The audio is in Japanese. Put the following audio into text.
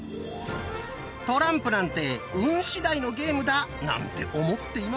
トランプなんて運しだいのゲームだなんて思っていませんか？